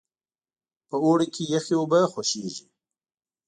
په اوړي کې یخې اوبه خوښیږي.